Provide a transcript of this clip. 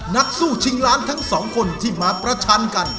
นักสู้ชิงล้านทั้งสองคนที่มาประชันกัน